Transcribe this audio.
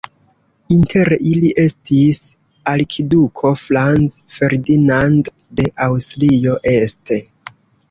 Inter ili estis arkiduko Franz Ferdinand de Aŭstrio-Este.